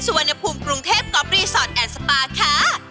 สุวรรณภูมิกรุงเทศก๊อบรีสอร์ตแอนด์สปาร์ค่ะ